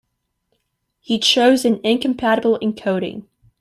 You chose an incompatible encoding.